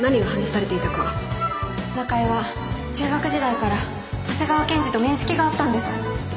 中江は中学時代から長谷川検事と面識があったんです。